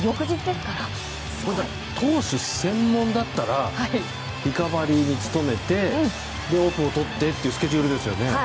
すごい。投手専門だったらリカバリーに努めてオフをとってというスケジュールですよね。